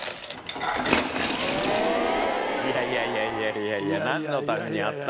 いやいやいやいやいやいや。